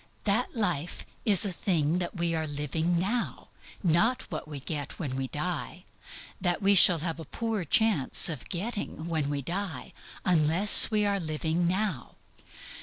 It is a thing that we are living now, not that we get when we die; that we shall have a poor chance of getting when we die unless we are living now.